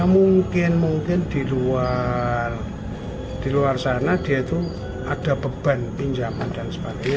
mungkin mungkin di luar sana dia itu ada beban pinjaman dan sebagainya